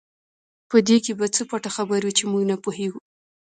په دې کې به څه پټه خبره وي چې موږ نه پوهېږو.